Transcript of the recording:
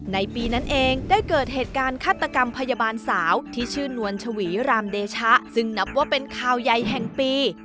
ในปีนั้นเองได้เกิดเหตุการณ์ฆาตกรรมพยาบาลสาวที่ชื่อนวลชวีรามเดชะซึ่งนับว่าเป็นข่าวใหญ่แห่งปี